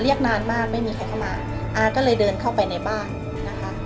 นานมากไม่มีใครเข้ามาอาก็เลยเดินเข้าไปในบ้านนะคะ